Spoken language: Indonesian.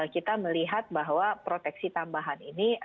kita melihat bahwa proteksi tambahan ini